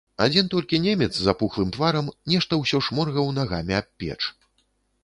Адзін толькі немец з апухлым тварам нешта ўсё шморгаў нагамі аб печ.